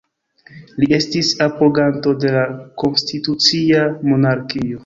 Li estis apoganto de la konstitucia monarkio.